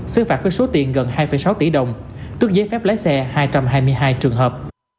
xứ phạt với số tiền gần hai sáu tỷ đồng tức giấy phép lái xe hai trăm hai mươi hai trường hợp